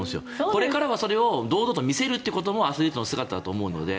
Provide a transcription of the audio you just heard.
これからはそれを堂々と見せるということもアスリートの姿だと思うので